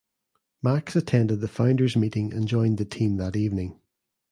Max attended the founders meeting and joined the team that evening.